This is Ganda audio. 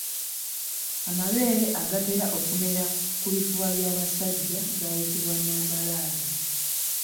Amabeere agatera okumera ku bifuba by’abasajja gayitibwa nambaalaala.